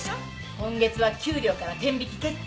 今月は給料から天引き決定。